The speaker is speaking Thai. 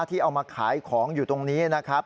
ที่เอามาขายของอยู่ตรงนี้นะครับ